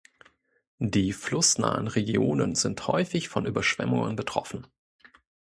Die flussnahen Regionen sind häufig von Überschwemmungen betroffen.